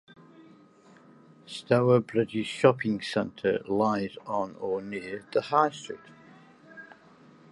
Stourbridge's shopping centre lies on or near the High Street.